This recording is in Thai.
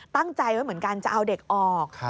ตั้งใจไว้เหมือนกันจะเอาเด็กออก